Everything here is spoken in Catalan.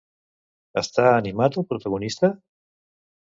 Està animat el protagonista?